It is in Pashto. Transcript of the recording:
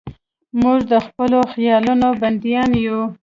موږ د خپلو خیالونو بندیان یو.